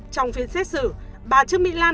trong phiên xét xử bà trương mỹ lan